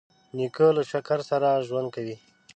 نیکه له شکر سره ژوند کوي.